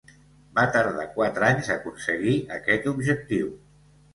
Va tardar quatre anys a aconseguir aquest objectiu.